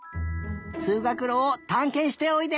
つうがくろをたんけんしておいで。